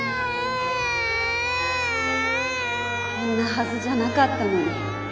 こんなはずじゃなかったのに